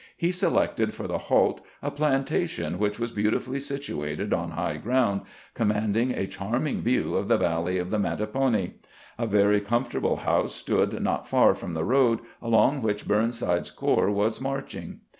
He selected for the halt a plantation which was beautifully situated on high ground, commanding a charming view of the valley of A NOONDAY HALT AT MES. TYLER'S 137 the Mattapony. A very comfortable house stood not far from the road along which Burnside's corps was marching.